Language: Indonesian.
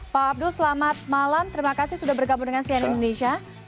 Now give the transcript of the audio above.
pak abdul selamat malam terima kasih sudah bergabung dengan cnn indonesia